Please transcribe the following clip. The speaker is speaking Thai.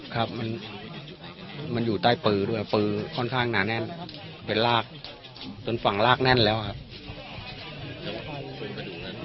ครับมันอยู่ใต้ปือด้วยปือค่อนข้างหนาแน่นเป็นลากจนฝั่งลากแน่นแล้วครับ